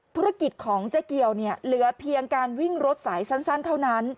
ธุรกิจของเจ๊เกียวเนี่ยเหลือเพียงการวิ่งรถสายสั้นเท่านั้น